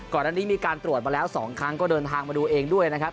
ก่อนอันนี้มีการตรวจมาแล้ว๒ครั้งก็เดินทางมาดูเองด้วยนะครับ